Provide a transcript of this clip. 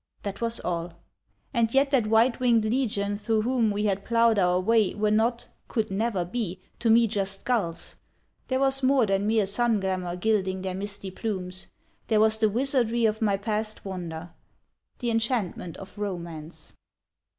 That was all. And yet that white winged legion through whom we had ploughed our way were not, could never be, to me just gulls—there was more than mere sun glamour gilding their misty plumes; there was the wizardry of my past wonder, the enchantment of romance.